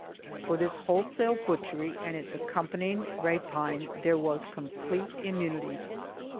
For this wholesale butchery and its accompanying rapine there was complete immunity.